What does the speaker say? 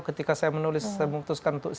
ketika saya menulis